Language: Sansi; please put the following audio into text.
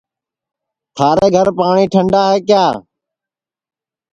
تھارے گھر پاٹؔی ٹھنڈا ہے کیا